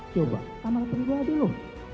coba kamar pribadi dulu